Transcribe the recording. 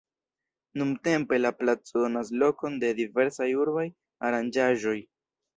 Nuntempe la placo donas lokon de diversaj urbaj aranĝaĵoj.